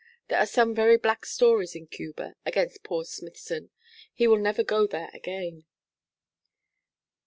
There are some very black stories in Cuba against poor Smithson. He will never go there again.'